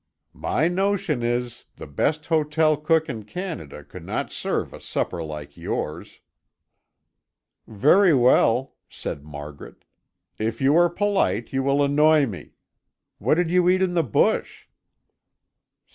"My notion is, the best hotel cook in Canada could not serve a supper like yours." "Very well," said Margaret "If you are polite, you will annoy me. What did you eat in the bush?"